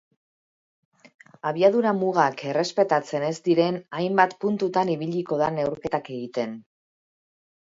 Abiadura mugak errespetatzen ez diren hainbat puntutan ibiliko da neurketak egiten.